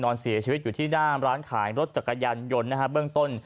นอนเสียชีวิตอยู่ที่หน้าร้านขายรถจักรยานยนต์นะฮะเบื้องต้น